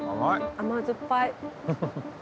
甘酸っぱい。